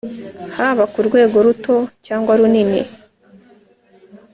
haba ku rwego ruto cyangwa runini